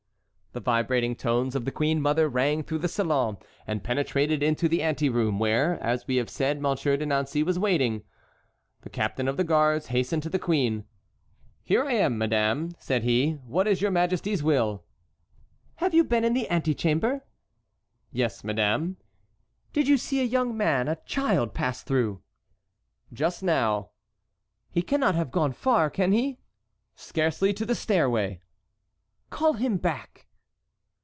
The vibrating tones of the queen mother rang through the salon and penetrated into the anteroom, where, as we have said, Monsieur de Nancey was waiting. The captain of the guards hastened to the queen. "Here I am, madame," said he, "what is your majesty's will?" "Have you been in the antechamber?" "Yes, madame." "Did you see a young man, a child, pass through?" "Just now." "He cannot have gone far, can he?" "Scarcely to the stairway." "Call him back."